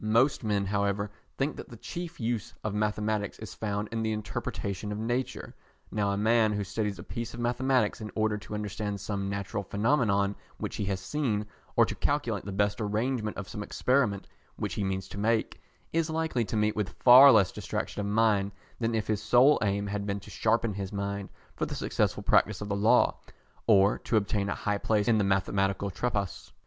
Most men, however, think that the chief use of mathematics is found in the interpretation of nature. Now a man who studies a piece of mathematics in order to understand some natural phenomenon which he has seen, or to calculate the best arrangement of some experiment which he means to make, is likely to meet with far less distraction of mind than if his sole aim had been to sharpen his mind for the successful practice of the Law, or to obtain a high place in the Mathematical Tripos.